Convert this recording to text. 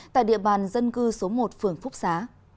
tại địa bàn dân cư số một phường phúc xá